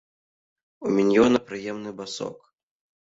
У міньёна прыемны басок.